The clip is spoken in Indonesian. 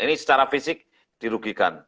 ini secara fisik dirugikan